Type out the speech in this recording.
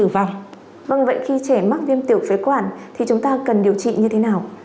vâng vậy khi trẻ mắc viêm tiểu phế quản thì chúng ta cần điều trị như thế nào